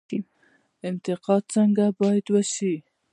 انتقاد څنګه باید وشي؟